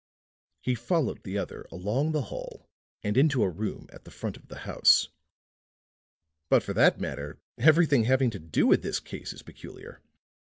He followed the other along the hall and into a room at the front of the house. "But, for that matter, everything having to do with this case is peculiar.